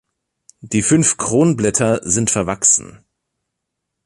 Die fünf Kronblätter sind verwachsen.